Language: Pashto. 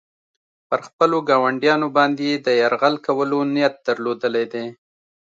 پر خپلو ګاونډیانو باندې یې د یرغل کولو نیت درلودلی دی.